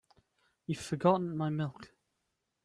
You've forgotten my milk.